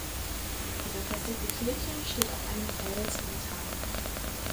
Die befestigte Kirche steht auf einem Fels am Tarn.